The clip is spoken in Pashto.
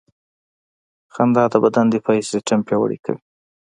• خندا د بدن دفاعي سیستم پیاوړی کوي.